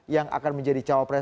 yang akan menjadikan ketua umum pbnu